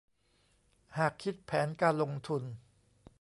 หากคิดแผนการลงทุน